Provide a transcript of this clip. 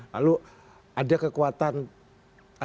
lalu ada kekuatan di antara